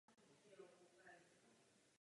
Je pohřbena na místním katolickém hřbitově.